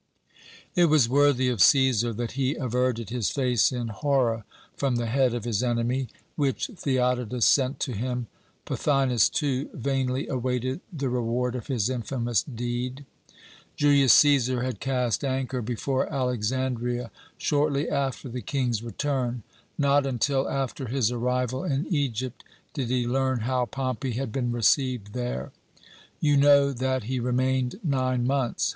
"It was worthy of Cæsar that he averted his face in horror from the head of his enemy, which Theodotus sent to him. Pothinus, too, vainly awaited the reward of his infamous deed. "Julius Cæsar had cast anchor before Alexandria shortly after the King's return. Not until after his arrival in Egypt did he learn how Pompey had been received there. You know that he remained nine months.